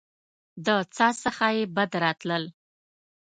له څاه څخه يې بد راتلل.